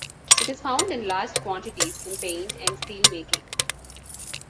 It is found in large quantities in paint and steelmaking.